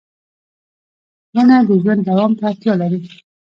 • ونه د ژوند دوام ته اړتیا لري.